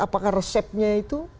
apakah resepnya itu